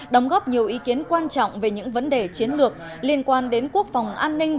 đóng góp nhiều ý kiến quan trọng về những vấn đề chiến lược liên quan đến quốc phòng an ninh